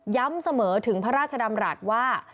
ย้ำเสมอถึงพระราชดำรัฐว่า